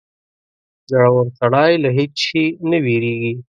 • زړور سړی له هېڅ شي نه وېرېږي.